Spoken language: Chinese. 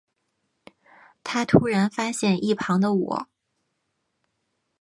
他突然发现一旁的我